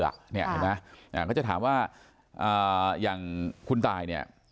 เขาจะถามว่าอย่างคุณตาย